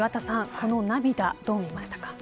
この涙どう見ましたか。